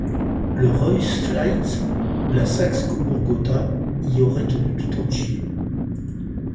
Le Reuss-Schleitz ou la Saxe-Cobourg-Gotha y auraient tenu tout entiers.